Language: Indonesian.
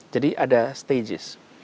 jadi ada stage